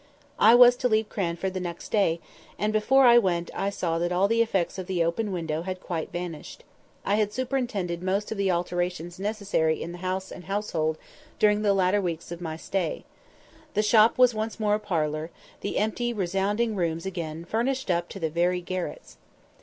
I was to leave Cranford the next day, and before I went I saw that all the effects of the open window had quite vanished. I had superintended most of the alterations necessary in the house and household during the latter weeks of my stay. The shop was once more a parlour: the empty resounding rooms again furnished up to the very garrets.